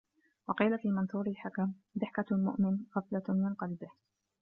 وَقِيلَ فِي مَنْثُورِ الْحِكَمِ ضِحْكَةُ الْمُؤْمِنِ غَفْلَةٌ مِنْ قَلْبِهِ